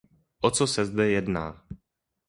O co se zde jedná?